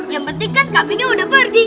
yang penting kan kambingnya udah pergi